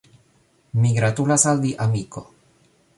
Mi gratulas al vi, amiko